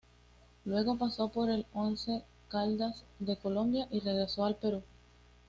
Luego pasó por el Once Caldas de Colombia y regresó al Perú.